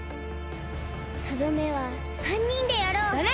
とどめは３にんでやろう！だね！